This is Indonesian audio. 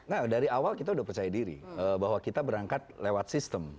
nah dari awal kita sudah percaya diri bahwa kita berangkat lewat sistem